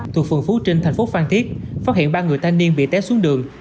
thuộc phường phú trinh thành phố phan thiết phát hiện ba người thanh niên bị té xuống đường